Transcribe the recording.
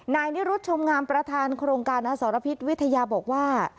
นายนิรุธชมงามประธานโครงการอสรพิษวิทยาบอกว่า